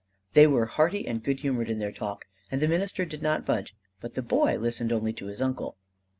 They were hearty and good humored in their talk, and the minister did not budge: but the boy listened only to his uncle.